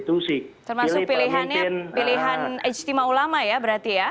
termasuk pilihannya pilihan ijtima ulama ya berarti ya